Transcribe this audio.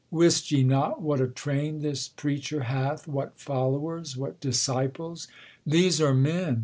Wist ye not what a train this preacher hath, What followers, what disciples? These are men.